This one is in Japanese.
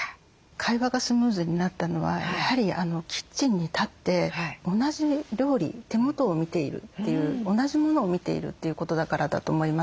会話がスムーズになったのはやはりキッチンに立って同じ料理手元を見ているという同じ物を見ているということだからだと思います。